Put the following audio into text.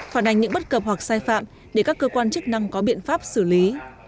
phản ánh những bất cập hoặc sai phạm để các cơ quan chức năng có biện pháp xử lý